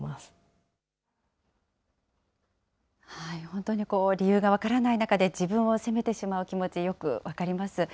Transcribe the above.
本当にこう、理由が分からない中で、自分を責めてしまう気持ち、よく分かります。